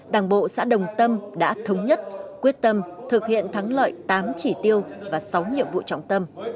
đảng bộ xã đồng tâm đã thống nhất quyết tâm thực hiện thắng lợi tám chỉ tiêu và sáu nhiệm vụ trọng tâm